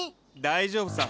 大丈夫さ。